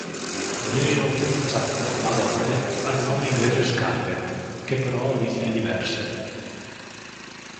Viene inoltre associato, a volte, al nome inglese Scarlett, che però ha origini diverse.